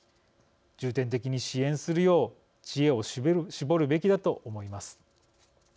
重点的に支援するよう知恵を絞るべきだと思います。